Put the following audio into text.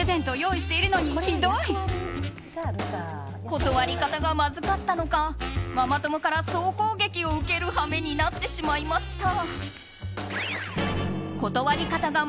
断り方がまずかったのかママ友から総攻撃を受ける羽目になってしまいました。